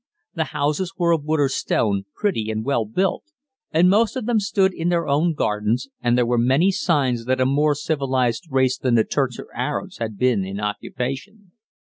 The houses were of wood or stone, pretty and well built, and most of them stood in their own gardens and there were many signs that a more civilized race than the Turks or Arabs had been in occupation.